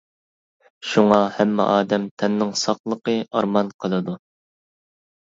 شۇڭا ھەممە ئادەم تەننىڭ ساقلىقى ئارمان قىلىدۇ.